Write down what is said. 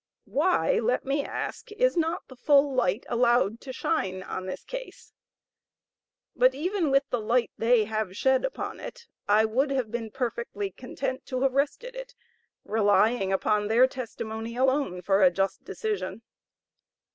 Why, let me ask, is not the full light allowed to shine on this case? But even with the light they have shed upon it, I would have been perfectly content to have rested it, relying upon their testimony alone, for a just decision.